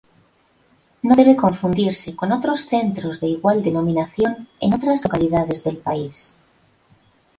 No debe confundirse con otros centros de igual denominación en otras localidades del país.